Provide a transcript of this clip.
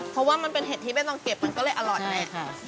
เพราะว่ามันเป็นเห็ดที่ไม่ต้องเก็บมันก็เลยอร่อยไง